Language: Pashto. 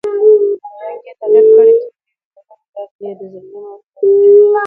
رنګ ئې تغير کړی تورېږي، دمېنی درد ئې دزړګي مات کړل برجونه